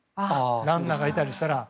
ランナーがいたりしたら。